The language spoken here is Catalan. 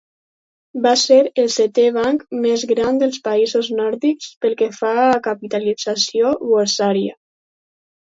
Va ser el setè banc més gran dels països nòrdics pel que fa a capitalització borsària.